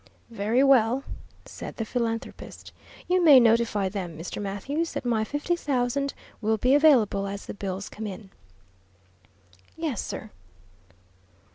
"Very well," said the philanthropist. "You may notify them, Mr. Mathews, that my fifty thousand will be available as the bills come in." "Yes, sir."